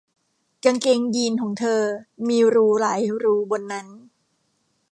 กางเกงยีนส์ของเธอมีรูหลายรูบนนั้น